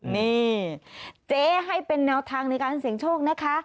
นี่เจ๊ให้เป็นแนวทางในการเสี่ยงโชคนะคะ